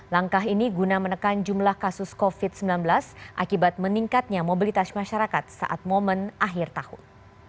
langkah ini guna menekan jumlah kasus covid sembilan belas akibat meningkatnya mobilitas masyarakat saat momen akhir tahun